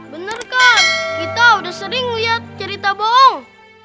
bener kak kita udah sering liat cerita bohong